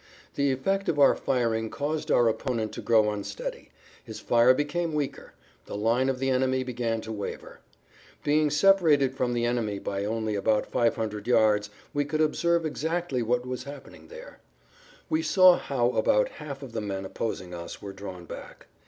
The effect of our firing caused our opponent to grow unsteady; his fire became weaker; the line of the enemy began to waver. Being separated from the enemy by only about 500 yards, we could observe exactly what was happening there. We saw how about half of the men opposing us were drawn back.